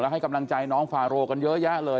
ให้กำลังใจน้องฟาโรกันเยอะแยะเลย